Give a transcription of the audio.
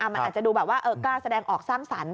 มันอาจจะดูแบบว่ากล้าแสดงออกสร้างสรรค์